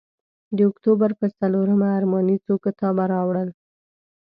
د اکتوبر پر څلورمه ارماني څو کتابه راوړل.